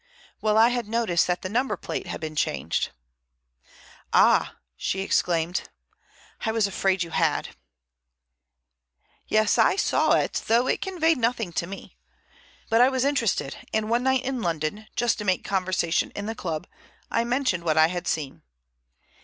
Well, I had noticed that the number plate had been changed." "Ah," she exclaimed, "I was afraid you had." "Yes, I saw it, though it conveyed nothing to me. But I was interested, and one night in London, just to make conversation in the club, I mentioned what I had seen.